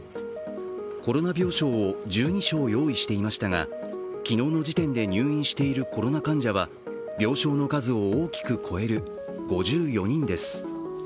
コロナ病床を１２床用意していましたが、昨日の時点で入院しているコロナ患者は病床の数を大きく超える５４人です。